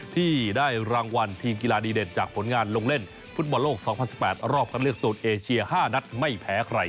ที่ได้รางวัลทีมกีฬาดีเด่นจากผลงานลงเล่นฟุตบอลโลก๒๐๑๘รอบคันเลือกโซนเอเชีย๕นัดไม่แพ้ใคร